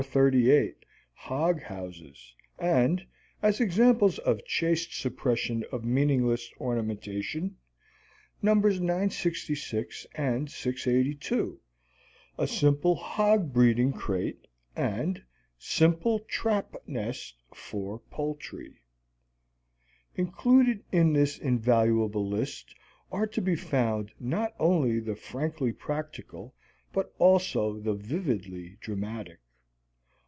438, "Hog Houses," and, as examples of chaste suppression of meaningless ornamentation, Nos. 966 and 682 "A Simple Hog Breeding Crate" and "Simple Trap Nest for Poultry." Included in this invaluable list are to be found not only the frankly practical but also the vividly dramatic.